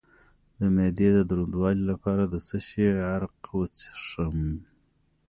د معدې د دروندوالي لپاره د څه شي عرق وڅښم؟